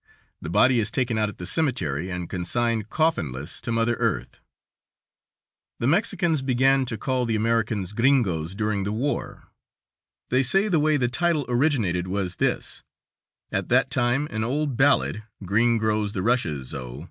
The body is taken out at the cemetery and consigned, coffinless, to mother earth. The Mexicans began to call the Americans gringos during the war. They say the way the title originated was this: at that time an old ballad, "Green grows the Rushes, O!"